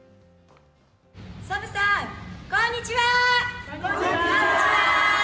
ＳＡＭさん、こんにちは！